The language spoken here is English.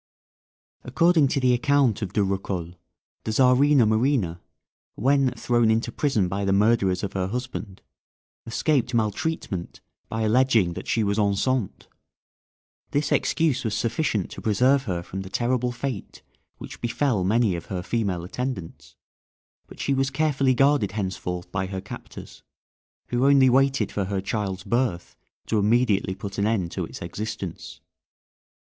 According to the account of De Rocoles, the Czarina Marina, when thrown into prison by the murderers of her husband, escaped maltreatment by alleging that she was enceinte. This excuse was sufficient to preserve her from the terrible fate which befel many of her female attendants, but she was carefully guarded henceforth by her captors, who only waited for her child's birth to immediately put an end to its existence.